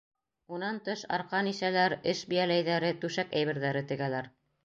Унан тыш, арҡан ишәләр, эш бейәләйҙәре, түшәк әйберҙәре тегәләр.